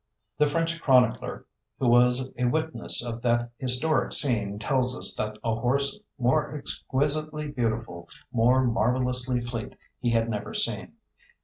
The French chronicler who was a witness of that historic scene tells us that a horse more exquisitely beautiful, more marvellously fleet, he had never seen.